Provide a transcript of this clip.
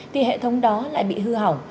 thì hệ thống đó lại bị hư hỏng